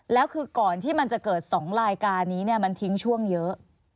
แล้วคือก่อนที่มันจะเกิด๒รายการนี้มันทิ้งช่วงเยอะ